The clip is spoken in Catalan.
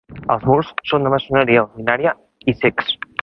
Els murs són de maçoneria ordinària i cecs.